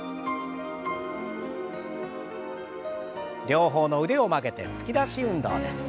両方の腕を曲げて突き出し運動です。